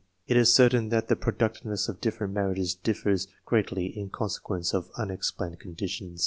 It is certain that the productiveness of different marriages differs greatly in consequence of unexplained conditions.